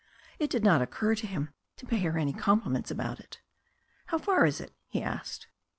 It did not occur to him to pay her any com pliments about it. "How far is it?" he asked.